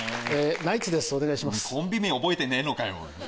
コンビ名覚えてねえのかよ。